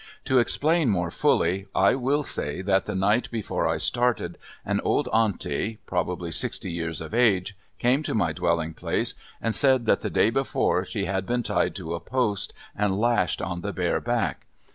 To explain more fully, I will say that the night before I started, an old aunty, probably sixty years of age, came to my dwelling place and said that the day before she had been tied to a post and lashed on the bare back.